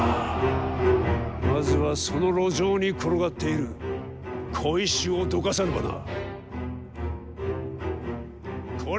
まずはその路上に転がっている小石をどかさねばな。